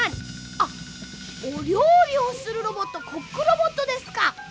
あっおりょうりをするロボットコックロボットですか！